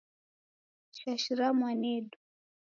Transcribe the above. Shashira mwanedu.